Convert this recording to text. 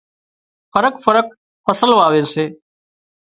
فرق فرق فصل واوي سي